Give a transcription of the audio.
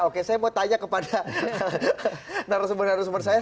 oke saya mau tanya kepada narasumber narasumber saya